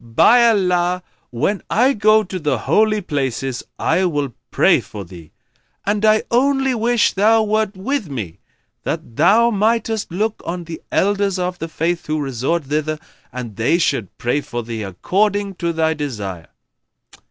by Allah, when I go to the Holy Places, I will pray for thee; and I only wish thou wert with me, that thou mightest look on the Elders of the Faith who resort thither, and they should pray for thee, according to thy desire."